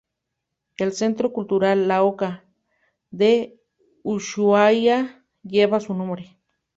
El centro cultural "La Oca" de Ushuaia, lleva su nombre.